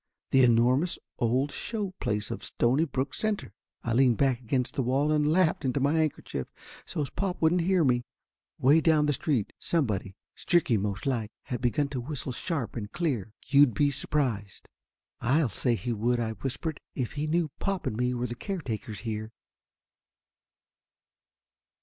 The enormous old show place of Stony brook Center. I leaned back against the wall and laughed into my handkerchief so's pop wouldn't hear me. Way down the street somebody Stricky, most 34 Laughter Limited like had begun to whistle sharp and clear, You'd be Surprised. "I'll say he would," I whispered, "if he knew pop and me was the caretakers here